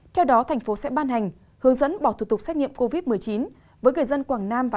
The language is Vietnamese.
theo đó thành phố sẽ ban hành hướng dẫn bỏ thủ tục xét nghiệm covid một mươi chín với người dân quảng nam và